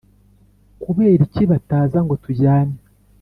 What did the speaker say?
Kubera iki bataza ngo tujyane